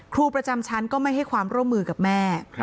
ครูประจำชั้นก็ไม่ให้ความร่วมมือกับแม่